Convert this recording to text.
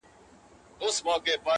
د موبايل ټول تصويرونهيېدلېپاتهسي-